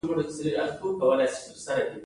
دا کار د خلکو لپاره اړین ځان باور رامنځته کوي.